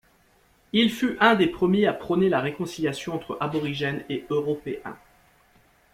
Il fut un des premiers à prôner la réconciliation entre aborigènes et européens.